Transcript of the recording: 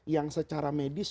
yang secara medis